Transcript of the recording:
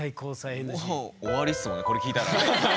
もう終わりっすもんねこれ聞いたら。